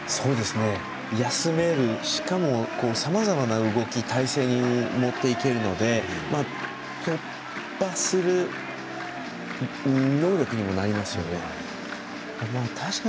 休める、しかもさまざまな動き、体勢に持っていけるので突破する能力にもなりますよね。